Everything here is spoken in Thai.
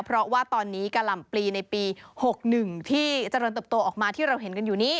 เพราะว่าตอนนี้กะหล่ำปลีในปี๖๑ที่เจริญเติบโตออกมาที่เราเห็นกันอยู่นี้